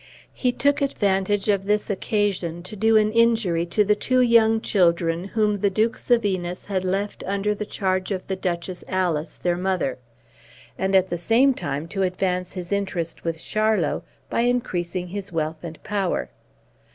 He took advantage of this occasion to do an injury to the two young children whom the Duke Sevinus had left under the charge of the Duchess Alice, their mother; and at the same time, to advance his interest with Charlot by increasing his wealth and power.